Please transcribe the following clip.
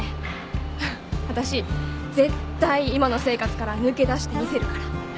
わたし絶対今の生活から抜け出してみせるから。